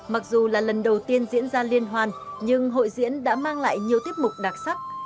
mặc dù là lần đầu tiên diễn ra liên hoan nhưng hội diễn đã mang lại nhiều tiết mục đặc sắc